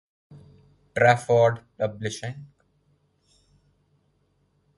Trafford Publishing.